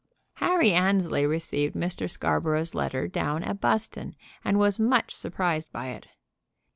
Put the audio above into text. Harry Annesley received Mr. Scarborough's letter down at Buston, and was much surprised by it.